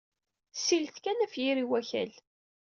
Sillet kan ɣef yiri n wakal.